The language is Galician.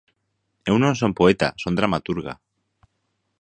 Eu non son poeta, son dramaturga.